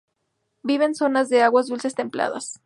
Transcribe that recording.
Vive en zonas de aguas dulces templadas.